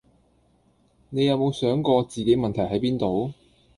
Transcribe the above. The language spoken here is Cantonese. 你有無想過自己問題係邊度？